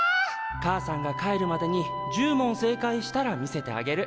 母さんが帰るまでに１０問正解したら見せてあげる。